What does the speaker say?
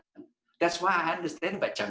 itulah kenapa saya memahami hutan